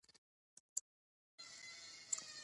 اوبو لګول ځمکه ابادوي او حاصل ورکوي.